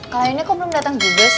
kaliannya kok belum datang juga sih